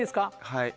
はい。